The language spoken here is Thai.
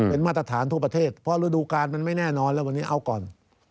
เป็นมาตรฐานทั่วประเทศเพราะฤดูการมันไม่แน่นอนแล้ววันนี้เอาก่อน